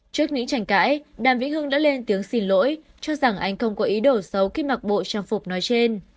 trước những trành cãi đảm vĩnh hương đã lên tiếng xin lỗi cho rằng anh không có ý đổ xấu khi mặc bộ trang phục nói trên